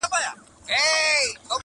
زما پر ښکلي اشنا وایه سلامونه،